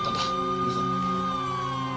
行くぞ。